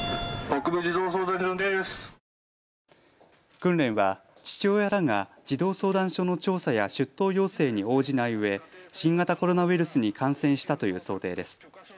訓練は父親らが児童相談所の調査や出頭要請に応じないうえ新型コロナウイルスに感染したという想定です。